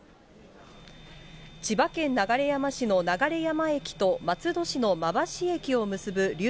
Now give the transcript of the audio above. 千葉県流山市の流山駅と松戸市の馬橋駅を結ぶ流